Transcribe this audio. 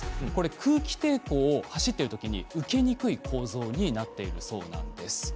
空気抵抗を走ってるときに受けにくい構造になっているそうなんです。